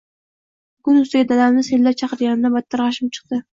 Buning ustiga dadamni senlab chaqirganidan battar gʻashim chiqdi.